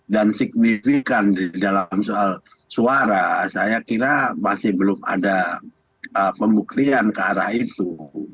dan signifikan di dalam soal suara saya kira masih belum ada pembuktian ke arah itu